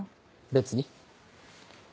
別に。